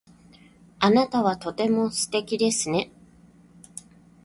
あなたはとても素敵ですね。